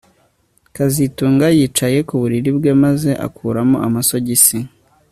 kazitunga yicaye ku buriri bwe maze akuramo amasogisi